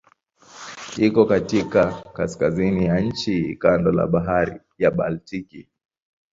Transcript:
Iko katika kaskazini ya nchi kando la Bahari ya Baltiki.